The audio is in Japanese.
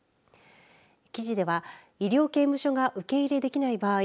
記事では医療刑務所が受け入れできない場合